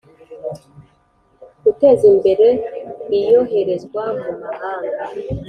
guteza imbere Iyoherezwa mu mahanga